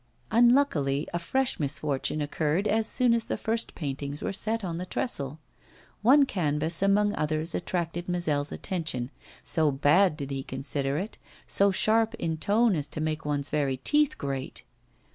Unluckily, a fresh misfortune occurred as soon as the first paintings were set on the trestle. One canvas among others attracted Mazel's attention, so bad did he consider it, so sharp in tone as to make one's very teeth grate.